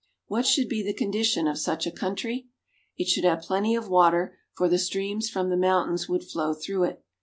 What should be the condition of such a country? It should have plenty of water, for the streams from the mountains would flow through it.